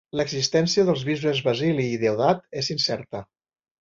L'existència dels bisbes Basili i Deodat és incerta.